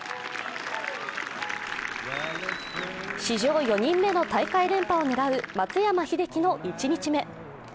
史上４人目の大会連覇を狙う松山英樹の１日目。